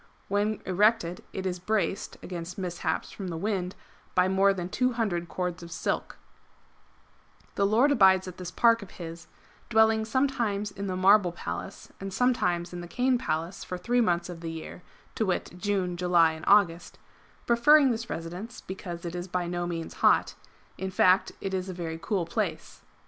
When erected, it is braced [against mishaps from the wind] by more than 200 cords of silk/ The Lord abides at this Park of his, dwelHng some times in the Marble Palace and sometimes in the Cane Palace for three months of the year, to wit, June, July, and August ; preferring this residence because it is by no means hot ; in fact it is a very cool place.